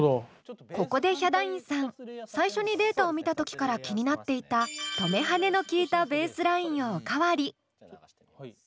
ここでヒャダインさん最初にデータを見た時から気になっていた止め跳ねのきいたベースラインをおかわり。